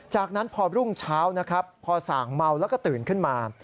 จากนั้นพอรุ่งเช้าพอสั่งเมาละก็ตื่นขึ้นมา